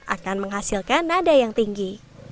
akan menghasilkan nada yang tinggi